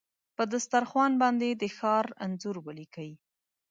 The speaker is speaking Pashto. په دسترخوان باندې د ښار انځور ولیکې